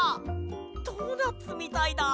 ドーナツみたいだ。